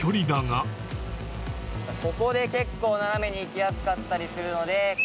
ここで結構斜めに行きやすかったりするので。